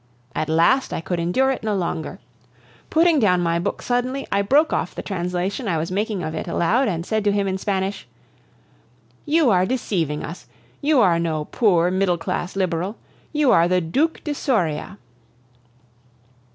At last I could endure it no longer. Putting down my book suddenly, I broke off the translation I was making of it aloud, and said to him in Spanish: "You are deceiving us. You are no poor middle class Liberal. You are the Duke de Soria!"